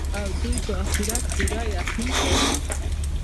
او دوى په آخرت پوره يقين كوي